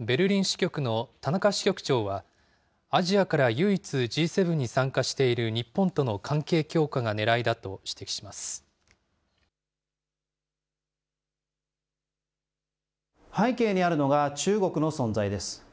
ベルリン支局の田中支局長は、アジアから唯一Ｇ７に参加している日本との関係強化がねらいだと背景にあるのが、中国の存在です。